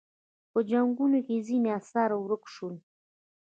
په جنګونو کې ځینې اثار ورک شول